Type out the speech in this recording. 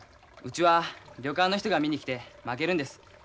うちは旅館の人が見に来て負けるんです。